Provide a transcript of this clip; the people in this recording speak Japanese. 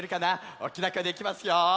おっきなこえでいきますよ！